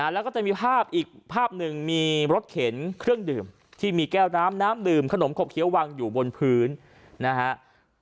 แล้วก็จะมีภาพอีกภาพหนึ่งมีรถเข็นเครื่องดื่มที่มีแก้วน้ำน้ำดื่มขนมขบเคี้ยววางอยู่บนพื้นนะฮะ